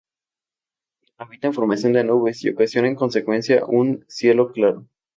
Evita la formación de nubes y ocasiona en consecuencia un cielo claro.